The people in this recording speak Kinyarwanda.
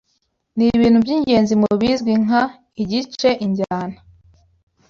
Nibintu byingenzi mubizwi nka "igice-injyana,"